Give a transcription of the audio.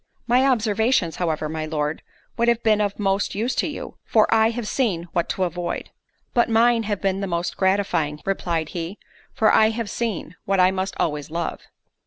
"My observations, however, my Lord, would have been of most use to you; for I have seen what to avoid." "But mine have been the most gratifying," replied he; "for I have seen—what I must always love."